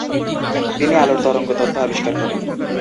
তিনি আলোর তরঙ্গ তত্ত্ব আবিষ্কার করেন।